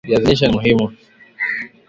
viazi lishe ni muhimu